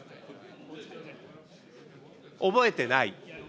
覚えてない。